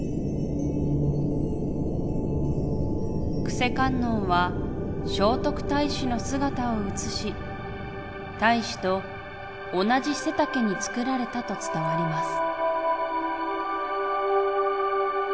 「救世観音は聖徳太子の姿を写し太子と同じ背丈に作られたと伝わります」。